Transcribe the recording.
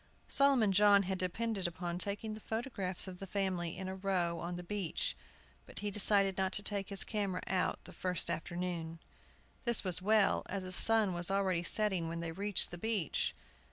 Solomon John had depended upon taking the photographs of the family in a row on the beach; but he decided not to take his camera out the first afternoon. This was well, as the sun was already setting when they reached the beach.